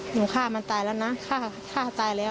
หนูฆ่ามันตายแล้วนะฆ่าตายแล้ว